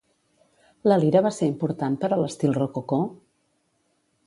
La lira va ser important per a l'estil rococó?